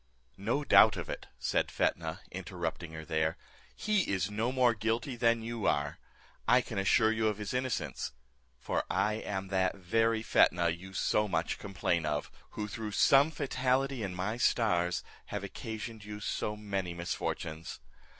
"No doubt of it," said Fetnah, interrupting her there, "he is no more guilty than you are; I can assure you of his innocence; for I am that very Fetnah, you so much complain of; who, through some fatality in my stars, have occasioned you so many misfortunes.